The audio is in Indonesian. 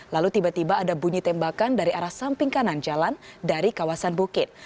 lalu tiba tiba ada bunyi tembakan dari arah samping kanan jalan dari kawasan bukit